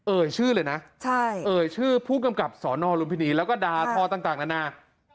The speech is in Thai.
เอ่ยชื่อเลยนะเอ่ยชื่อผู้กำกับสนลุมพินีแล้วก็ดาทอต่างนานา